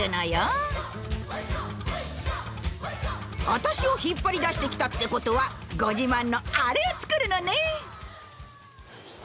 アタシを引っ張り出してきたってことはご自慢のアレを作るのね？